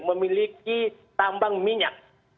memiliki tambang minyak